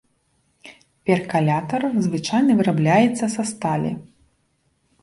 Перкалятар звычайна вырабляецца са сталі.